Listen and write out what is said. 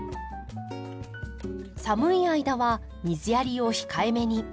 寒い間は水やりを控えめに。